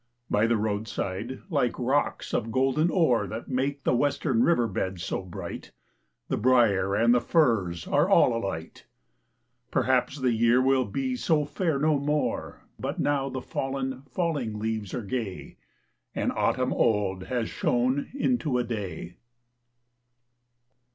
By the roadside, like rocks of golden ore That make the western river beds so bright, The briar and the furze are all alight! Perhaps the year will be so fair no more, But now the fallen, falling leaves are gay, And autumn old has shone into a Day!